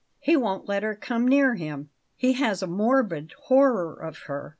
He won't let her come near him. He has a morbid horror of her.